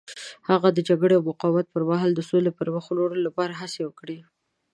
هغه د جګړې او مقاومت پر مهال د سولې پرمخ وړلو لپاره هڅې وکړې.